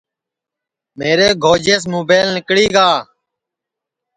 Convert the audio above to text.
میرے گھوجیس مُبیل نیکݪی گا